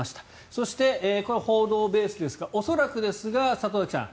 そして報道ベースですが恐らくですが里崎さん